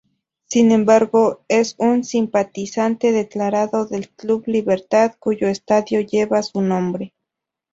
Sin embargo, es un simpatizante declarado del club Libertad, cuyo estadio lleva su nombre.